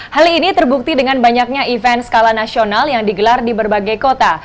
hal ini terbukti dengan banyaknya event skala nasional yang digelar di berbagai kota